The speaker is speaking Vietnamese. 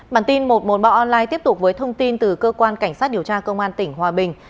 bản tin một trăm một mươi ba online tiếp tục với thông tin từ cơ quan cảnh sát điều tra công an tỉnh hòa bình